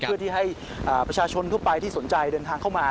เพื่อที่ให้ประชาชนทั่วไปที่สนใจเดินทางเข้ามา